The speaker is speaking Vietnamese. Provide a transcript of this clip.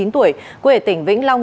ba mươi chín tuổi quê tỉnh vĩnh long